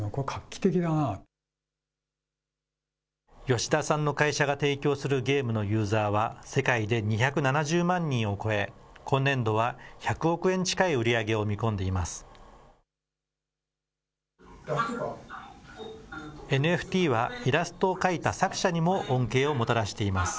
吉田さんの会社が提供するゲームのユーザーは世界で２７０万人を超え、今年度は１００億円近い売り上げを見込んでいます。